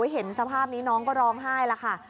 เห็นสภาพนี้น้องก็ร้องไห้แล้วค่ะ